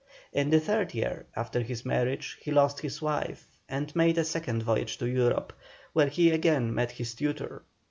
In the third year after his marriage, he lost his wife, and made a second voyage to Europe, where he again met his tutor.